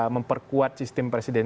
memperkuat sistem presiden